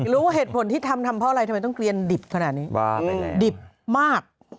รู้เหตุผลที่ทำทำเพราะอะไรทำไมต้องเกลียนดิบขนาดนี้ดิบมาก